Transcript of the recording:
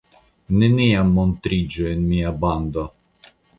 Neniam montriĝu en mia bando!